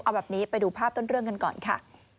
เอาแบบนี้ไปดูภาพต้นเรื่องกันก่อนค่ะ